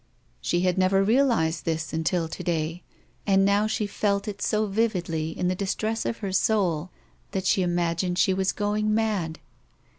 She had never realized this until to day, and now she felt it so vividly in the distress of her soul that she imagined she was going mad.